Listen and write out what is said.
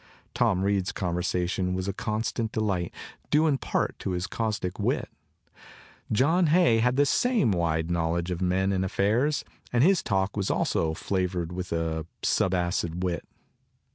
Tom Reed's conversation was a constant de light, due in part to his caustic wit. John Hay had the same wide knowledge of men and affairs; and his talk was also flavored with a subacid wit.